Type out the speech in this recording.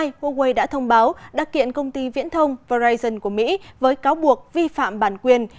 ngày sáu tháng hai huawei đã thông báo đã kiện công ty viễn thông verizon của mỹ với cáo buộc vi phạm bản quyền